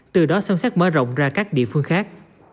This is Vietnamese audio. từ đó xâm xác mở rộng ra các địa phương khác